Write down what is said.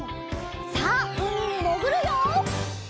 さあうみにもぐるよ！